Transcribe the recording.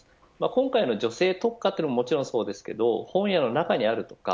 今回の女性特化ももちろんそうですが本屋の中にあるとか。